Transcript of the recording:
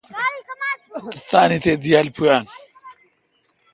تانی تے°دیال پویان۔